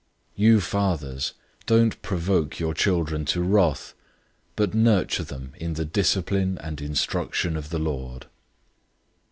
"{Deuteronomy 5:16} 006:004 You fathers, don't provoke your children to wrath, but nurture them in the discipline and instruction of the Lord.